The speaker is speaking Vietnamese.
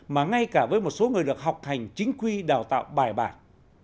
mà ngay cả với một số người được học hành chính quy đào tạo bài bản